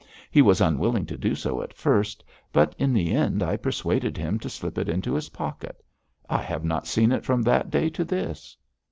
He was unwilling to do so at first, but in the end I persuaded him to slip it into his pocket. I have not seen it from that day to this.'